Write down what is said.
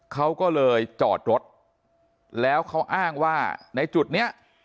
เขาก็เลยจอดรถแล้วเขาอ้างว่าในจุดเนี้ย